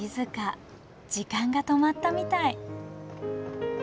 時間が止まったみたい。